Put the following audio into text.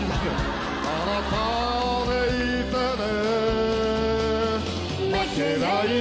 あなたでいてね